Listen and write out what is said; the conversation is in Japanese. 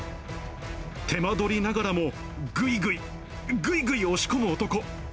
手間取りながらも、ぐいぐい、ぐいぐい押し込む男。